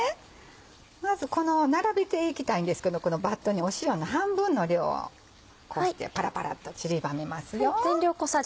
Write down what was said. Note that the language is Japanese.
まず並べていきたいんですけどバットに塩の半分の量をこうしてパラパラっとちりばめますよ。